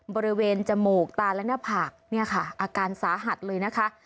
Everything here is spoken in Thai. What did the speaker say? บริเวณจมูกตาและหน้าผากเนี่ยค่ะอาการสาหัสเลยนะคะ